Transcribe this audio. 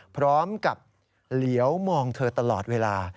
พร้อมกับเหลียวมองเธอตลอดเวลา